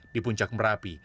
di puncak merapi